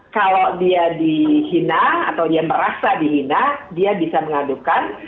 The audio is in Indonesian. kalau dia dihina atau dia merasa dihina dia bisa mengadukan